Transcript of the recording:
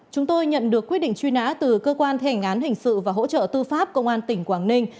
chúng tôi nhận được quyết định truy nã từ cơ quan thể hành án hình sự và hỗ trợ tư pháp công an tỉnh quảng ninh